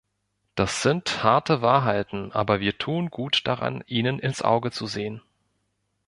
Das sind harte Wahrheiten, aber wir tun gut daran, ihnen ins Auge sehen.